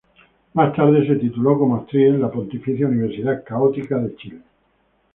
Más tarde, se tituló como actriz en la Pontificia Universidad Católica de Chile.